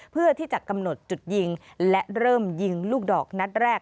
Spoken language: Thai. เพื่อที่จะกำหนดจุดยิงและเริ่มยิงลูกดอกนัดแรก